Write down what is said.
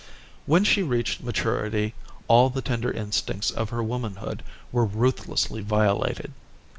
When she reached maturity all the tender instincts of her womanhood were ruthlessly violated.